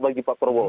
bagi pak perwo